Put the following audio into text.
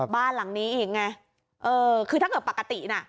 บ้านหลังนี้นี่คือถ้าเกิดปกตินะ